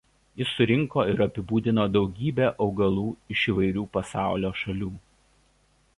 Jis surinko ir apibūdino daugybę augalų iš įvairių pasaulio šalių.